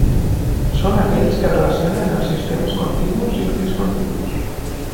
Són aquells que relacionen els sistemes continus i els discontinus.